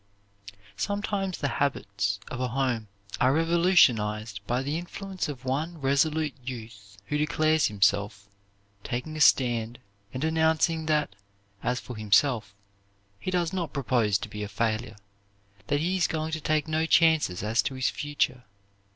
Sometimes the habits of a home are revolutionized by the influence of one resolute youth who declares himself, taking a stand and announcing that, as for himself, he does not propose to be a failure, that he is going to take no chances as to his future.